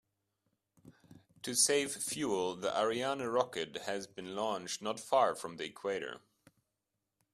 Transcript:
To save fuel, the Ariane rocket has been launched not far from the equator.